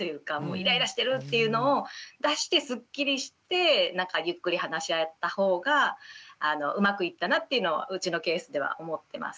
イライラしてるっていうのを出してすっきりしてゆっくり話し合ったほうがうまくいったなっていうのはうちのケースでは思ってます。